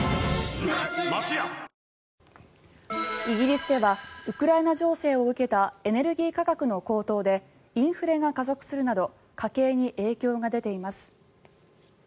イギリスではウクライナ情勢を受けたエネルギー価格の高騰でインフレが加速するなど家計に影響が出ています。